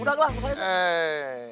udah lah udah lah